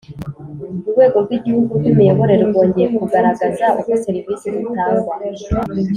Urwego rw’gihugu rw Imiyoborere rwongeye kugaragaza uko serivisi zitangwa